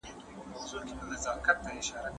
چا په نيمه شپه كي غوښتله ښكارونه